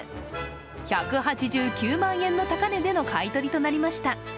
１８９万円の高値での買い取りとなりました。